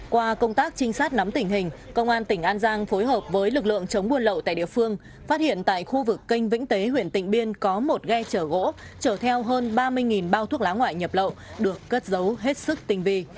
qua công tác trinh sát nắm tình hình công an tỉnh an giang phối hợp với lực lượng chống buôn lậu tại địa phương phát hiện tại khu vực kênh vĩnh tế huyện tịnh biên có một ghe chở gỗ chở theo hơn ba mươi bao thuốc lá ngoại nhập lậu được cất giấu hết sức tinh vi